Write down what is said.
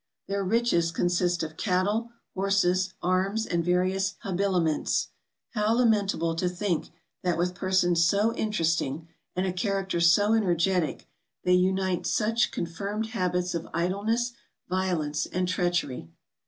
Their riches consist of cattle, horses, arms, and various habiliments. How lamentable to think that with persons so interesting, and a character so energetic, they unite such confirmed habits of idleness, violence, o 194 MOUNTAIN ADVENTURES. and treachery.